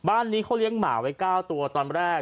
บ้านนี้เขาเลี้ยงหมาไว้๙ตัวตอนแรก